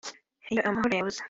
Iyo amahoro yabuze